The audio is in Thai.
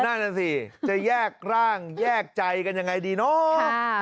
นั่นน่ะสิจะแยกร่างแยกใจกันยังไงดีเนาะ